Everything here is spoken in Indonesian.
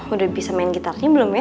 udah bisa main gitarnya belum ya